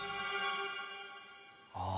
ああ。